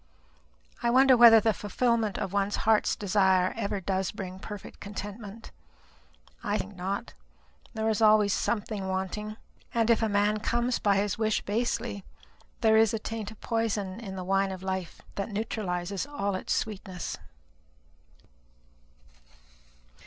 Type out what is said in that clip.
I wonder whether the fulfilment of one's heart's desire ever does bring perfect contentment? I think not. There is always something wanting. And if a man comes by his wish basely, there is a taint of poison in the wine of life that neutralizes all its sweetness."